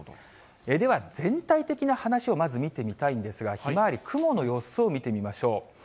では、全体的な話をまず見てみたいんですが、ひまわり、雲の様子を見てみましょう。